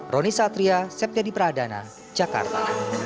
roni satria septya di pradana jakarta